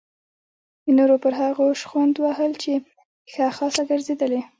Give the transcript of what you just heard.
د نورو پر هغو شخوند وهل یې ښه خاصه ګرځېدلې.